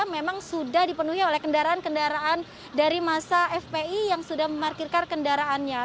memang sudah dipenuhi oleh kendaraan kendaraan dari masa fpi yang sudah memarkirkan kendaraannya